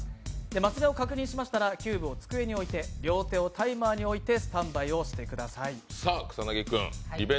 マス目を確認しましたらキューブを机においてタイマーに手を置いてスタートしてください。